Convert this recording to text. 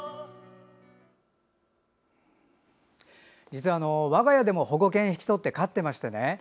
実は、我が家でも保護犬を引き取って飼っていましてね。